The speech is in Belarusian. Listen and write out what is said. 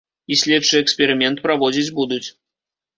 І следчы эксперымент праводзіць будуць.